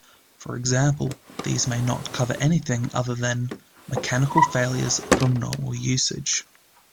For example, these may not cover anything other than mechanical failure from normal usage.